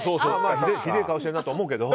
ひでえ顔してるなとは思うけど。